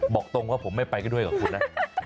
บอกตรงว่าผมไม่ไปก็ด้วยกับคุณนะ